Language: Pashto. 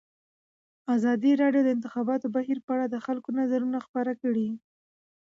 ازادي راډیو د د انتخاباتو بهیر په اړه د خلکو نظرونه خپاره کړي.